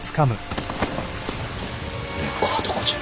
蓮子はどこじゃ。